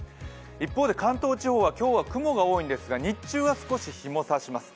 一方で関東地方は今日は雲が多いんですが日中は少し日もさします。